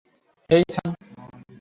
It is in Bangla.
হেই, থাম।